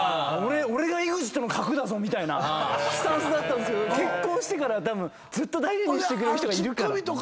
「俺がＥＸＩＴの核だぞ！」みたいなスタンスだったけど結婚してからは大事にしてくれる人がいるから。